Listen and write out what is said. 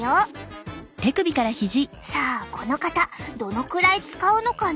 さあこの方どのくらい使うのかな？